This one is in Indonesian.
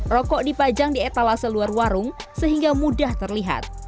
rokok dipajang di etalase luar warung sehingga mudah terlihat